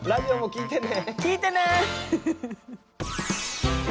聴いてね。